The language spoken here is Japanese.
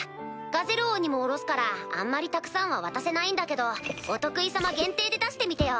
ガゼル王にも卸すからあんまりたくさんは渡せないんだけどお得意様限定で出してみてよ。